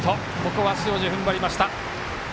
ここは塩路、ふんばりました。